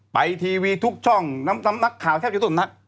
ไปทีวีทุกช่องน้ำนักข่าวแคบอยู่ตรงนัก